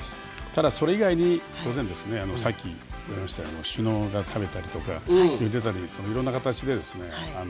ただそれ以外に当然ですねさっき言われましたような首脳が食べたりとかいろんな形でですね